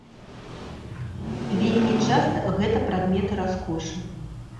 Вельмі часта гэта прадметы раскошы.